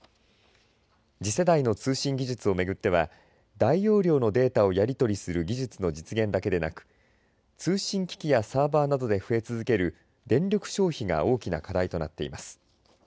次世代の通信技術を巡っては大容量のデータをやり取りする技術の実現だけでなく通信機器やサーバーなどで増え続ける電力消費が大きな課題となっています。